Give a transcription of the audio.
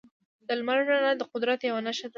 د لمر رڼا د قدرت یوه نښه ده.